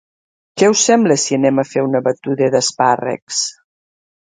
Què us sembla si anem a fer una batuda d'espàrrecs?